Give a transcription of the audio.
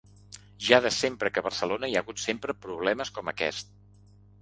Ja de sempre que a Barcelona hi ha hagut sempre problemes com aquest.